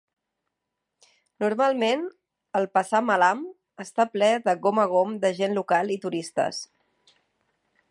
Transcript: Normalment el "pasar malam" està ple de gom a gom de gent local i turistes.